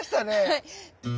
はい。